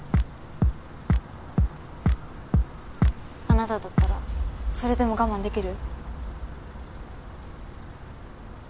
あなただったらそれでも我慢できる？